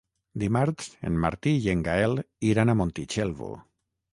Dimarts en Martí i en Gaël iran a Montitxelvo.